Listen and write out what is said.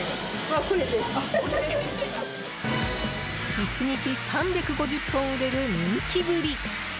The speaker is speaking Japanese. １日３５０本売れる人気ぶり。